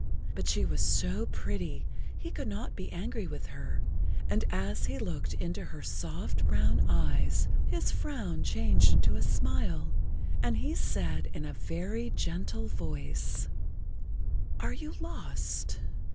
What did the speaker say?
But she was so pretty he could not be angry with her, and as he looked into her soft brown eyes his frown changed into a smile, and he said in a very gentle voice: "Are you lost?